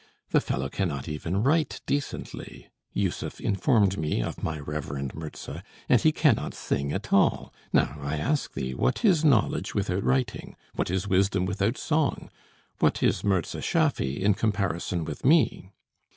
"The fellow cannot even write decently," Jussuf informed me of my reverend Mirza, "and he cannot sing at all! Now I ask thee: What is knowledge without writing? What is wisdom without song? What is Mirza Schaffy in comparison with me?"